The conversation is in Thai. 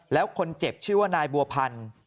แล้วคนเจ็บชื่อว่านายบัวพันธ์